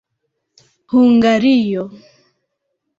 hungario